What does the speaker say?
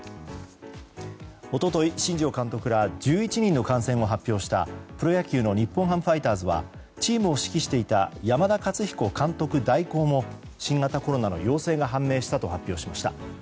一昨日、新庄監督ら１１人の感染を発表したプロ野球の日本ハムファイターズはチームを指揮していた山田勝彦監督代行も新型コロナの陽性が判明したと発表しました。